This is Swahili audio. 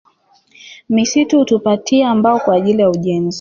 Misitu hutupatia mbao kwaajili ya ujenzi